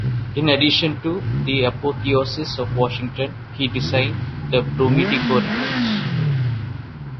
In addition to "The Apotheosis of Washington" he designed the Brumidi Corridors.